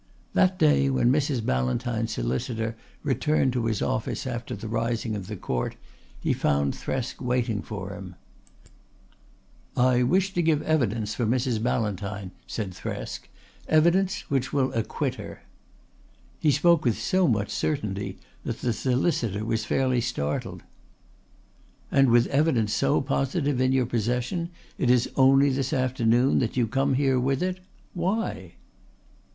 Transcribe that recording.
That day, when Mrs. Ballantyne's solicitor returned to his office after the rising of the Court, he found Thresk waiting for him. "I wish to give evidence for Mrs. Ballantyne," said Thresk "evidence which will acquit her." He spoke with so much certainty that the solicitor was fairly startled. "And with evidence so positive in your possession it is only this afternoon that you come here with it! Why?"